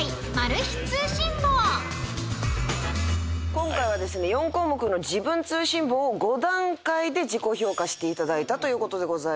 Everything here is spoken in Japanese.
今回はですね４項目のじぶん通信簿を５段階で自己評価していただいたということでございます。